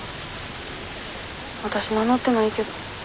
わたし名乗ってないけど。